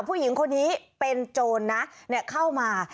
ผู้หญิงคนนี้เป็นโจรนะเข้ามา